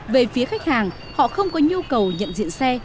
về phía khách hàng họ không có nhu cầu nhận diện xe